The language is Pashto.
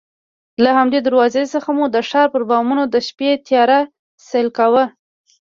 له همدې دروازې څخه مو د ښار پر بامونو د شپې تیاره سیل کاوه.